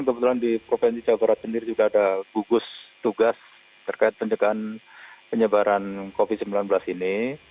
kebetulan di provinsi jawa barat sendiri juga ada gugus tugas terkait penjagaan penyebaran covid sembilan belas ini